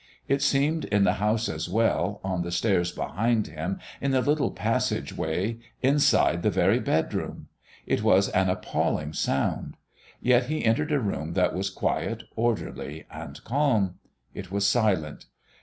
It seemed in the house as well, on the stairs behind him, in the little passage way, inside the very bedroom. It was an appalling sound. Yet he entered a room that was quiet, orderly, and calm. It was silent.